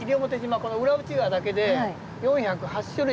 この浦内川だけで４０８種類